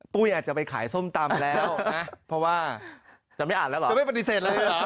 อาจจะไปขายส้มตำแล้วนะเพราะว่าจะไม่อ่านแล้วเหรอจะไม่ปฏิเสธเลยเหรอ